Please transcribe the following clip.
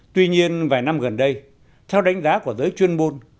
tuy nhiên vài năm gần đây theo đánh giá của giới chuyên môn